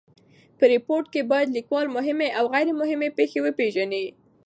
په ریپورټ کښي باید لیکوال مهمي اوغیري مهمي پېښي وپېژني.